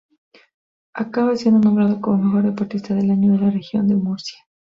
Acaba siendo nombrado como mejor deportista del año de la Región de Murcia.